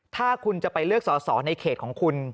ถ้าคุณจะไปเลือกสอสอในเขตของคุณ